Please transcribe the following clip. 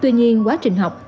tuy nhiên quá trình học